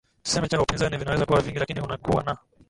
tuseme cha upizani vinaweza kuwa vingi lakini unakua na